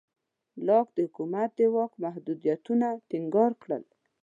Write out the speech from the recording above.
لاک د حکومت د واک محدودیتونه ټینګار کړل.